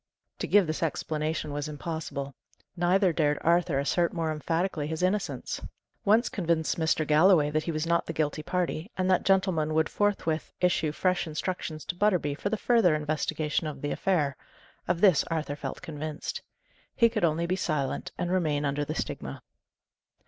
To give this explanation was impossible; neither dared Arthur assert more emphatically his innocence. Once convince Mr. Galloway that he was not the guilty party, and that gentleman would forthwith issue fresh instructions to Butterby for the further investigation of the affair: of this Arthur felt convinced. He could only be silent and remain under the stigma.